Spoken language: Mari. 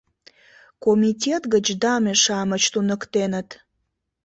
— Комитет гыч даме-шамыч туныктеныт.